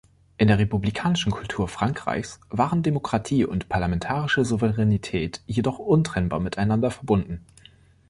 In der republikanischen Kultur Frankreichs waren Demokratie und parlamentarische Souveränität jedoch untrennbar miteinander verbunden.